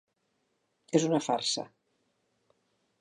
És una farsa.